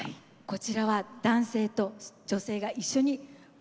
こちらは男性と女性が一緒に舞って下さいました。